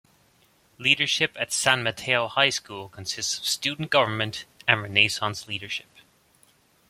Leadership at San Mateo High School consists of Student Government and Renaissance Leadership.